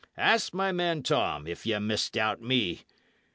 Ask my man Tom, if ye misdoubt me.